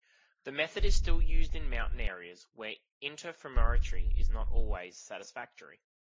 This method is still used in mountain areas, where interferometry is not always satisfactory.